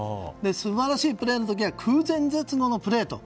素晴らしいプレーの時は空前絶後のプレーと。